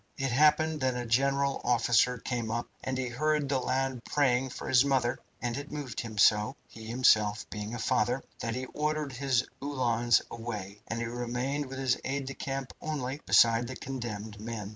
It happened that a general officer came up, and he heard the lad praying for his mother, and it moved him so he being himself a father that he ordered his Uhlans away, and he remained with his aide de camp only, beside the condemned men.